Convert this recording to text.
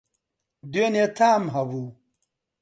دوێنی تام هەبوو